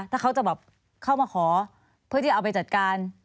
ถ้าเขาจะแบบเข้ามาขอเพื่อที่จะเอาไปจัดการ